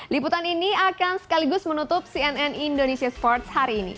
liputan ini akan sekaligus menutup cnn indonesia sports hari ini